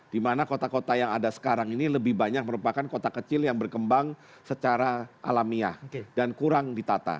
di mana kota kota yang ada sekarang ini lebih banyak merupakan kota kecil yang berkembang secara alamiah dan kurang ditata